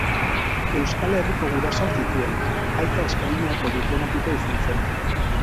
Euskal Herriko gurasoak zituen, aita Espainiako diplomatikoa izan zen.